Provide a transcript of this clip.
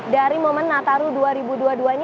dari momen nataru dua ribu dua puluh dua ini